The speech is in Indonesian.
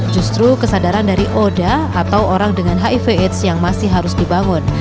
justru kesadaran dari oda atau orang dengan hiv aids yang masih harus dibangun